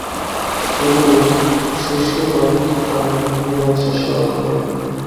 তবু, শশীও ভাবিতে পারে নাই এ যাত্রা সে রক্ষা পাইবে না।